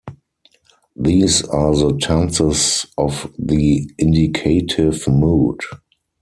These are the tenses of the indicative mood.